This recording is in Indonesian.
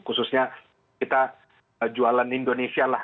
khususnya kita jualan indonesia lah